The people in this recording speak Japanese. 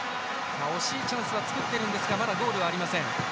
惜しいチャンスは作っているんですがまだゴールはありません。